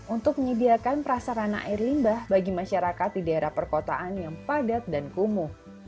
untuk menyediakan prasarana air limbah bagi masyarakat di daerah perkotaan yang padat dan kumuh